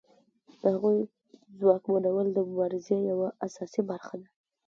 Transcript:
د هغوی ځواکمنول د مبارزې یوه اساسي برخه ده.